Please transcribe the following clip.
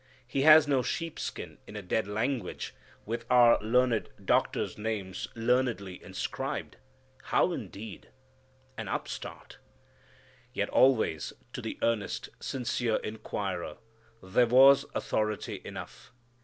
He has no sheepskin in a dead language with our learned doctors' names learnedly inscribed. How indeed! An upstart!! Yet always to the earnest, sincere inquirer there was authority enough.